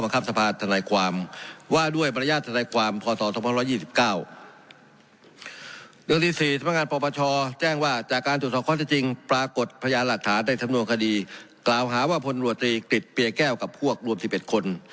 กล่าวหาว่าผลรวจตรีกฤทธิ์เปลี่ยแก้วกับพวกรวมที่๑๑คน